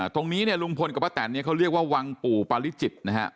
ตรงนี้เนี่ยลุงพลกับป้าแตนเนี่ยเขาเรียกว่าวังปู่ปาริจิตนะฮะ